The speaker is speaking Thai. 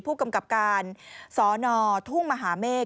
ผู้กำกับการสนทุ่งมหาเมฆ